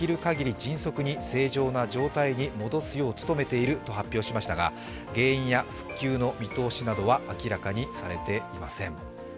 迅速に正常な状態に戻すよう努めていると発表しましたが原因や復旧の見透しなどは明らかにされていません。